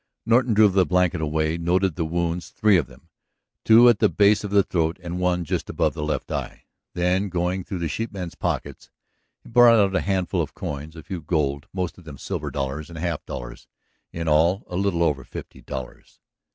Norton drew the blanket away, noted the wounds, three of them, two at the base of the throat and one just above the left eye. Then, going through the sheepman's pockets, he brought out a handful of coins. A few gold, most of them silver dollars and half dollars, in all a little over fifty dollars.